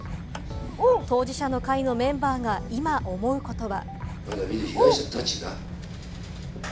当事者の会のメンバーが今、思うことは。